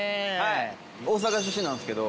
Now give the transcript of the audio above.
大阪出身なんですけど。